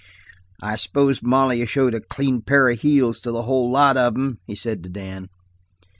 "I s'pose Molly showed a clean pair of heels to the whole lot of 'em?" he said to Dan.